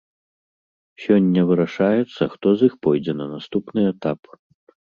Сёння вырашаецца, хто з іх пройдзе на наступны этап.